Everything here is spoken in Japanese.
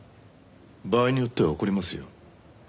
場合によっては怒りますよ。